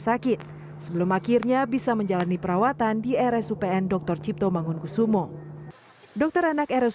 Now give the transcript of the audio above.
sakit sebelum akhirnya bisa menjalani perawatan di rs upn dr cipto mangun kusumo dokter anak rs